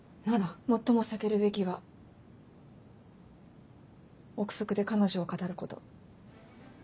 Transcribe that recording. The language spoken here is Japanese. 最も避けるべきは臆測で彼女を語ること。